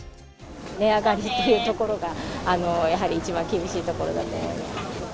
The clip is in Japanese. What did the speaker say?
値上がりしてるところが、やはり一番厳しいところだと思います。